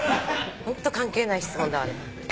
ホント関係ない質問だわ。